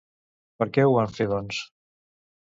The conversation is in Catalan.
Per què ho van fer doncs?